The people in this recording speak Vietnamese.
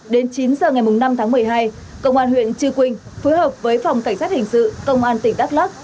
đến chín giờ ngày năm tháng một mươi hai công an huyện chư quynh phối hợp với phòng cảnh sát hình sự công an tỉnh đắk lắc